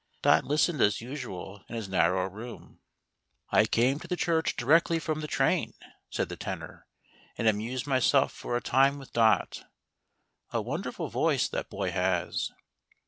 Dot listened as usual in his narrow room. " I came to the church directly from the train," said the Tenor, "and amused myself for a time with Dot. A wonderful voice that boy has."